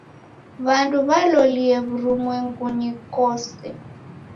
W'andu w'alolie w'urumwengunyi kose.